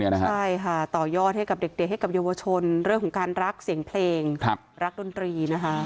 ใช่ค่ะต่อยอดให้เด็กเยาวชนเรื่องการรักเสียงเพลงรักโดนตรี